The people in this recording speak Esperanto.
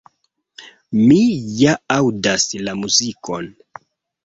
Mi ja aŭdas la muzikon!”.